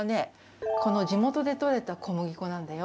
じもとでとれた小麦粉なんだよ。